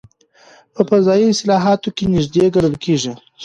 په فضایي اصطلاحاتو کې نژدې ګڼل کېږي.